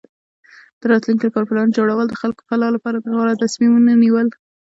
د راتلونکي لپاره پلان جوړول او د خپلې فلاح لپاره د غوره تصمیمونو نیول.